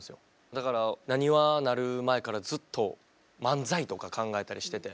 だからなにわなる前からずっと漫才とか考えたりしてて。